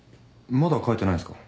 まだ帰ってないんすか？